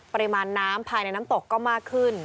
ปริมาณน้ำภายในน้ำตกก็มากขึ้น